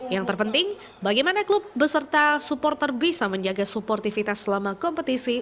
yang terpenting bagaimana klub beserta supporter bisa menjaga suportivitas selama kompetisi